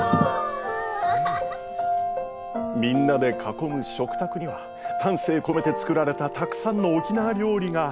みんなで囲む食卓には丹精込めて作られたたくさんの沖縄料理が。